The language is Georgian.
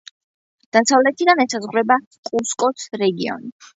დასავლეთიდან ესაზღვრება კუსკოს რეგიონი.